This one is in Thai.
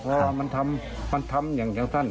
เพราะมันทำยังทั้งสั้น